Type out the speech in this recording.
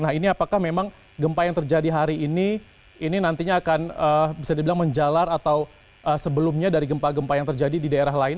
nah ini apakah memang gempa yang terjadi hari ini ini nantinya akan bisa dibilang menjalar atau sebelumnya dari gempa gempa yang terjadi di daerah lain